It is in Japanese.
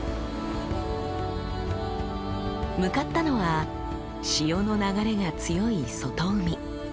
向かったのは潮の流れが強い外海。